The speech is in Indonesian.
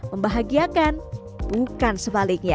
membahagiakan bukan sebaliknya